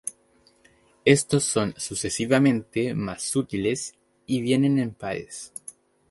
Estos son sucesivamente más sutiles, y vienen en pares.